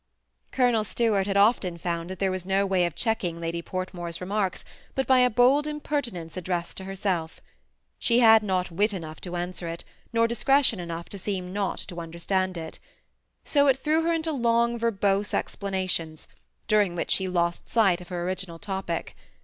Colonel Stuart had often found that there was no way of checking Lady Portmore's remarks but by a bold impertinence addressed to herself. She had not wit enough to answer it, nor discretion enough to seem not to understand it So it threw her into long verbose explanations, during which she lost sight of her original topic.